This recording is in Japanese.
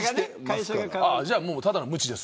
じゃあただの無知です。